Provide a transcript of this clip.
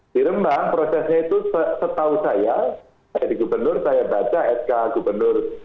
di rembang prosesnya itu setahu saya jadi gubernur saya baca sk gubernur